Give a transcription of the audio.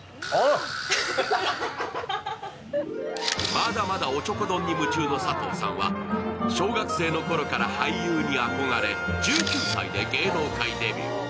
まだまだおちょこ丼に夢中の佐藤さんは、小学生のころから俳優に憧れ１９歳で芸能界デビュー。